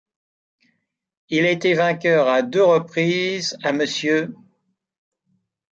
Il a été vainqueur à deux reprises à Mr.